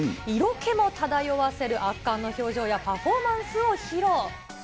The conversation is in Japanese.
色気も漂わせる圧巻の表情やパフォーマンスを披露。